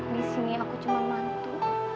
disini aku cuma mantu